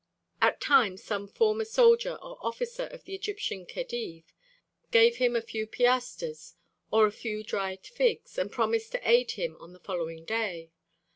At times some former soldier or officer of the Egyptian Khedive gave him a few piastres or a few dried figs, and promised to aid him on the following day.